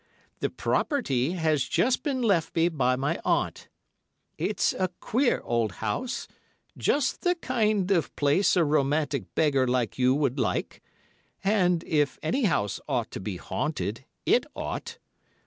The property has just been left me by my aunt. It's a queer old house, just the kind of place a romantic beggar like you would like, and if any house ought to be haunted, it ought.